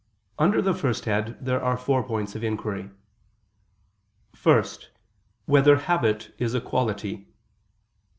Under the first head, there are four points of inquiry: (1) Whether habit is a quality?